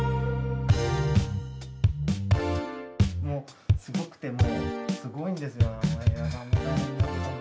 もうすごくてもうすごいんですよ。